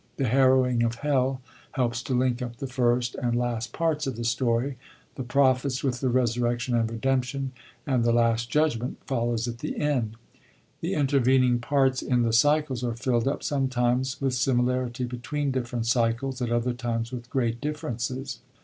The Harroioirvg of Hell helps to link up the first and last parts of the story, the Prophets with the Resurrection and Redemption ; and the Last Judg ment follows at the end. The intervening parts in the cycles are fiUd up, sometimes with similarity between different cycles, at other times with great differences.